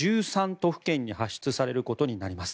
都府県に発出されることになります。